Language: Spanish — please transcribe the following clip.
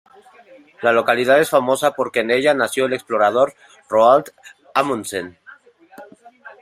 La localidad es famosa porque en ella nació el explorador Roald Amundsen.